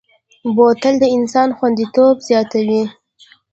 بوتل د انسان خوندیتوب زیاتوي.